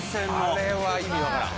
あれは意味分からん。